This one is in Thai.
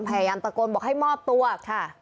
พยายามตะโกนบอกให้มอบตัวค่ะ